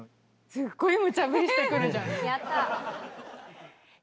すっごいむちゃぶりしてくるじゃん。